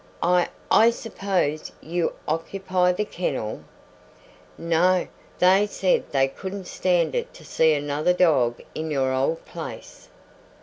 "I I suppose you occupy the kennel?" "No. They said they couldn't stand it to see another dog in your old place."